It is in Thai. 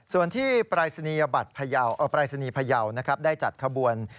ส่วนที่ปริศนียบัตรพระเยาว์ได้จัดขบวน